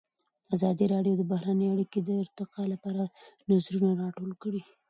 ازادي راډیو د بهرنۍ اړیکې د ارتقا لپاره نظرونه راټول کړي.